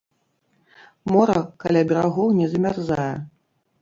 Мора каля берагоў не замярзае.